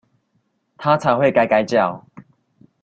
他才會該該叫！